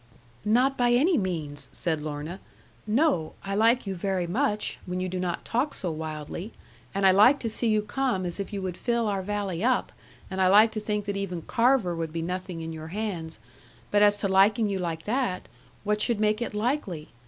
'Not by any means,' said Lorna; 'no, I like you very much, when you do not talk so wildly; and I like to see you come as if you would fill our valley up, and I like to think that even Carver would be nothing in your hands but as to liking you like that, what should make it likely?